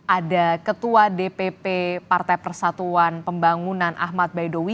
ada ketua dpp partai persatuan pembangunan ahmad baidowi